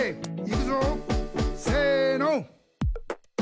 「いくぞ！せの」